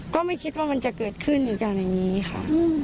ก็ไม่คิดว่ามันจะเกิดขึ้นเหตุการณ์อย่างนี้ค่ะ